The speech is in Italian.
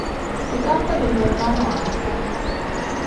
Si tratta del loro nono album.